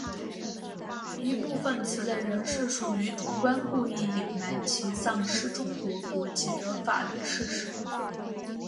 一部分此类人士属于主观故意隐瞒其丧失中国国籍的法律事实。